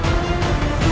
tidak ada yang bisa diberi